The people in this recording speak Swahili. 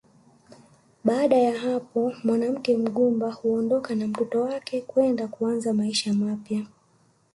Baada ya hapo mwanamke mgumba huondoka na mtoto wake kwenda kuanza maisha mapya